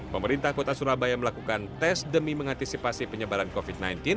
pemerintah kota surabaya melakukan tes demi mengantisipasi penyebaran covid sembilan belas